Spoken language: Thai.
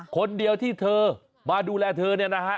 คนเดียวที่เธอมาดูแลเธอเนี่ยนะฮะ